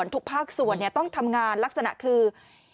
ทุกภาคส่วนต้องทำงานลักษณะคือ